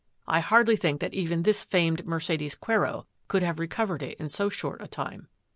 I hardly think that even this famed Mercedes Quero could have recovered it in so short a time."